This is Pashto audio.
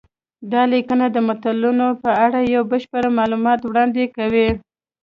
دا لیکنه د متلونو په اړه یو بشپړ معلومات وړاندې کوي